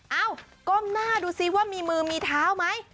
เอ้าก้มหน้าดูซิว่ามีมือมีเท้าไหม